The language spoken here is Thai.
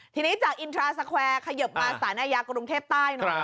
ทีนี้จากอินทราสแควร์ขยิบมาสารอาญากรุงเทพใต้หน่อย